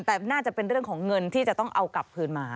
แต่น่าจะเป็นเรื่องของเงินที่จะต้องเอากลับคืนมา